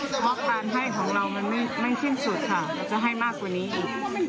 เฉพาะการให้ของเรามันไม่สิ้นสุดค่ะเราจะให้มากกว่านี้อีก